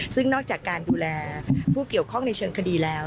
ซึ่งนอกจากการดูแลผู้เกี่ยวข้องในเชิงคดีแล้ว